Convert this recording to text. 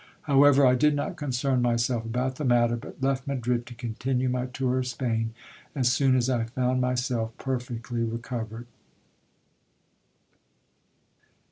However, I did not concern myself about the matter ; but left Madrid to continue my tour of Spain, as soon as I found myself perfectly recovered.